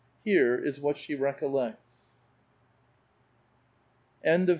Here is what she recollects :— V.